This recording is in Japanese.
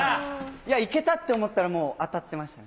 いや、いけたって思ったら、もう当たってましたね。